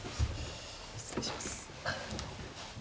失礼します。